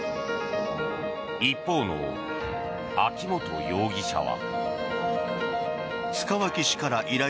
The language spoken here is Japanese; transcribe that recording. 一方の秋本容疑者は。